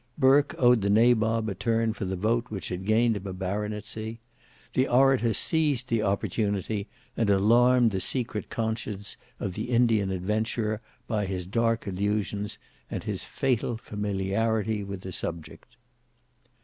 Burke owed the Nabob a turn for the vote which had gained him a baronetcy. The orator seized the opportunity and alarmed the secret conscience of the Indian adventurer by his dark allusions, and his fatal familiarity with the subject.